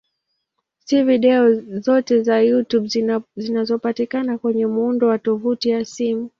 Si video zote za YouTube zinazopatikana kwenye muundo wa tovuti ya simu.